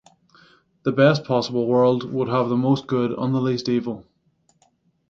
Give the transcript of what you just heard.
The best possible world would have the most good and the least evil.